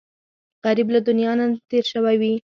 غریب له دنیا نه تېر شوی وي